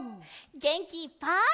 げんきいっぱい。